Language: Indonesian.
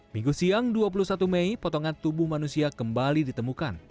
minggu siang dua puluh satu mei potongan tubuh manusia kembali ditemukan